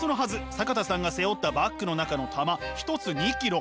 坂田さんが背負ったバッグの中の玉１つ２ｋｇ。